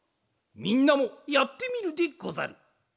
みんなもやってみるでござる。